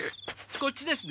こっちですね？